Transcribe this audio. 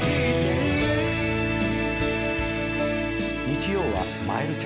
日曜は。